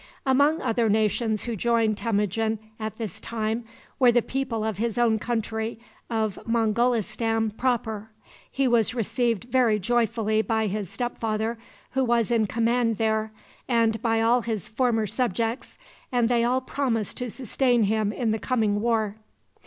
Among other nations who joined Temujin at this time were the people of his own country of Mongolistan Proper. He was received very joyfully by his stepfather, who was in command there, and by all his former subjects, and they all promised to sustain him in the coming war.